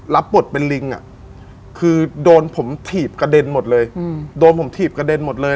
รับบทเป็นลิงอ่ะคือโดนผมถีบกระเด็นหมดเลยโดนผมถีบกระเด็นหมดเลย